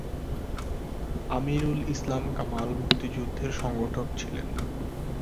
আমিরুল ইসলাম কামাল মুক্তিযুদ্ধের সংগঠক ছিলেন।